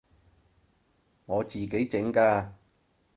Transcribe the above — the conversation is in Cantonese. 我自己整㗎